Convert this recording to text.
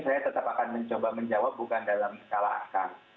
saya tetap akan mencoba menjawab bukan dalam skala akan